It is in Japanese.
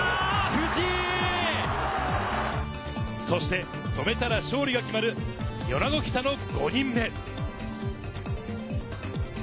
そして止めたら勝利が決まる米子北の５人目。